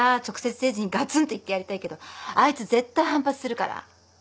直接誠治にがつんと言ってやりたいけどあいつ絶対反発するから。